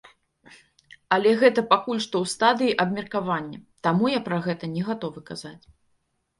Але гэта пакуль што ў стадыі абмеркавання, таму я пра гэта не гатовы казаць.